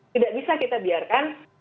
tidak bisa kita biarkan